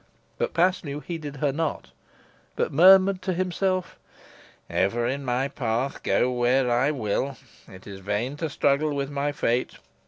But Paslew heeded her not, but murmured to himself: "Ever in my path, go where I will. It is vain to struggle with my fate.